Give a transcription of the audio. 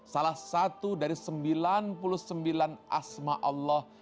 salah satu dari sembilan puluh sembilan ⁇ asma allah